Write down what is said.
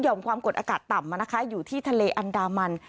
ความกดอากาศต่ำมานะคะอยู่ที่ทะเลอันดามัน